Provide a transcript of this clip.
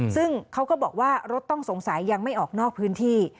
ซึ่งเขาก็บอกว่ารถต้องสงสัยยังไม่ออกนอกพื้นที่